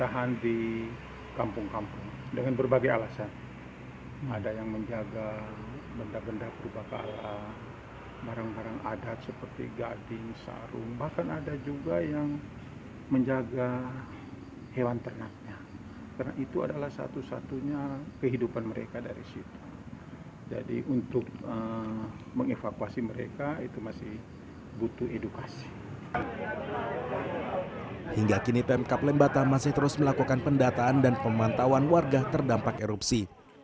hingga kini pemkap lembata masih terus melakukan pendataan dan pemantauan warga terdampak erupsi